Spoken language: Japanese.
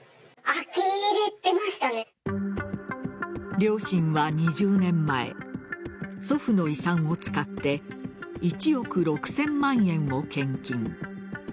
両親は２０年前祖父の遺産を使って１億６０００万円を献金。